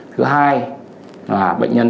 thứ hai là bệnh nhân